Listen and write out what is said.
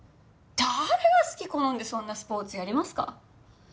誰が好き好んでそんなスポーツやりますか。